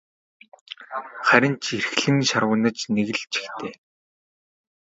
Харин ч эрхлэн шарваганаж нэг л жигтэй.